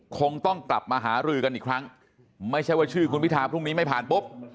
คงต้องกลับมาหารือกันอีกครั้งไม่ใช่ว่าชื่อคุณพิทาพรุ่งนี้ไม่ผ่านปุ๊บ